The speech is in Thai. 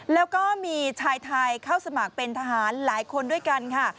แล้วก็มีชายไทยเข้าสมัครเป็นทหารหลายคนด้วยกันค่ะ